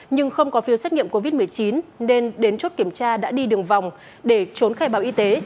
nhưng không có phiếu xét nghiệm covid một mươi chín nên đến chốt kiểm tra đã đi đường vòng để trốn khai báo y tế